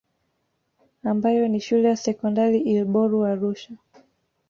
Ambayo ni shule ya Sekondari Ilboru Arusha